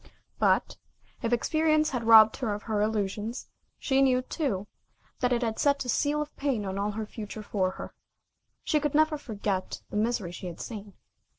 But, if experience had robbed her of her illusions, she knew, too, that it had set a seal of pain on all the future for her. She could never forget the misery she had seen.